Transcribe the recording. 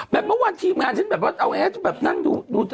แบบเมื่อวันทีงานฉันแบบว่าเอาแอ๊ดแบบนั่งดู